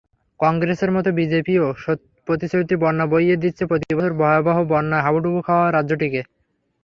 কংগ্রেসের মতো বিজেপিও প্রতিশ্রুতির বন্যা বইয়ে দিচ্ছে প্রতিবছর ভয়াবহ বন্যায় হাবুডুবু খাওয়া রাজ্যটিতে।